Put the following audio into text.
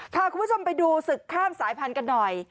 พาคุณผู้ชมไปดูศึกข้ามสายพันธุ์กันหน่อย